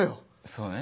そうね。